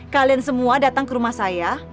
kalian semua datang ke rumah saya